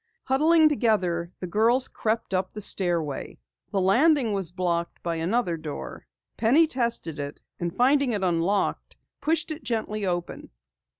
Huddling together, the girls crept up the stairway. The landing was blocked by another door. Penny tested it, and finding it unlocked, pushed it gently open.